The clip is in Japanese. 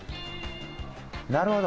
なるほど。